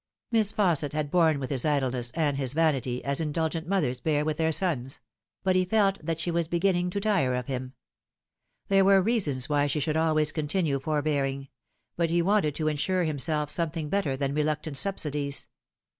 Miss Fausset had borne with his idleness and his vanity, as indulgent mothers bear with their sons ; but he felt that she was beginning to tire of him. There were reasons why she should always continue forbearing ; but he wanted to insure himself something better than reluctant subsidies.